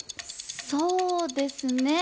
そうですね。